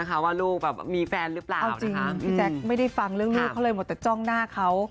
ก็เลยเอ๊ะหรือลูกโกหก